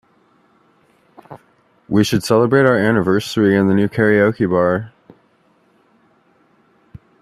We should celebrate our anniversary in the new karaoke bar.